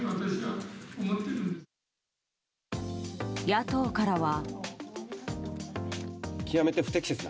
野党からは。